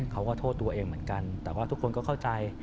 เขาก็โทษตัวเองเหมือนกันแต่ว่าทุกคนก็เข้าใจ